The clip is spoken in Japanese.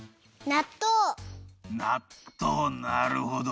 なっとうなるほど。